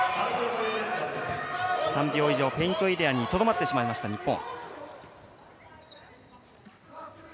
３秒以上ペイントエリアにとどまってしまいました、日本。